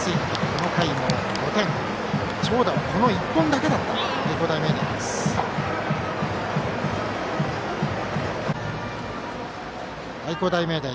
この回の５点、長打はこの１本だけだった愛工大名電。